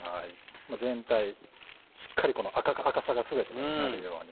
全体しっかりこの赤さが全てなるように。